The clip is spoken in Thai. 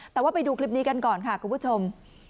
แต่ว่าไปดูคลิปนี้กันก่อนค่ะคุณผู้ชม